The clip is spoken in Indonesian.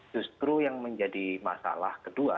justru yang menjadi masalah kedua